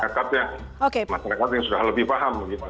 masyarakat yang sudah lebih paham